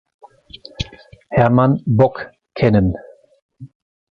Hermann Bock kennen.